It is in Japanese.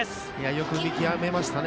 よく見極めました。